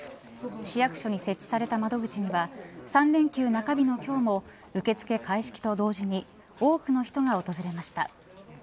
市役所に設置された窓口には３連休中日の今日も受け付け開始と同時に多くの人が訪れました。